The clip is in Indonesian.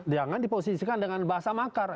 jangan diposisikan dengan bahasa makar